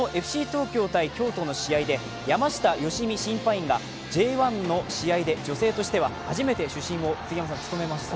東京×京都の試合で山下良美審判員がＪ１の試合で女性としては初めて審判を務めました。